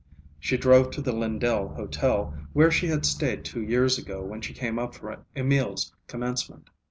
She drove to the Lindell Hotel, where she had stayed two years ago when she came up for Emil's Commencement.